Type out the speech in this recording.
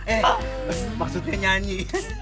eh maksudnya nyanyi